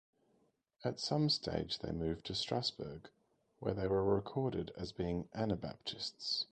At some stage they moved to Strasburg where they were recorded as being Anabaptists.